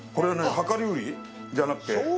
量り売り？じゃなくて？